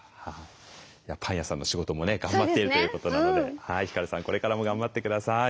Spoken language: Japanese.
パン屋さんの仕事もね頑張っているということなので皓さんこれからも頑張って下さい。